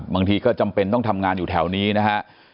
บางทีก็จำเป็นต้องทำงานอยู่แถวนี้นะฮะ